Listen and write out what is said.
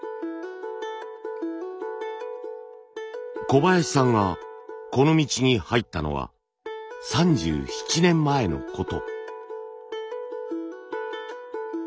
小林さんがこの道に入ったのは３７年前のこと。